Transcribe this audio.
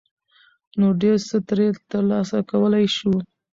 ، نو ډېر څه ترې ترلاسه کولى شو.